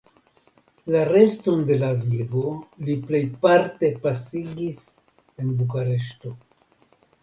La reston de la vivo li plejparte pasigis en Bukareŝto.